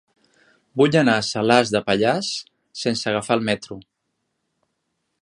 Vull anar a Salàs de Pallars sense agafar el metro.